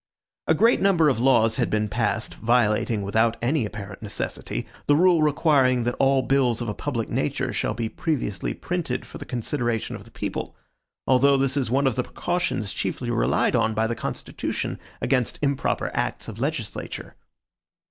A great number of laws had been passed, violating, without any apparent necessity, the rule requiring that all bills of a public nature shall be previously printed for the consideration of the people; although this is one of the precautions chiefly relied on by the constitution against improper acts of legislature.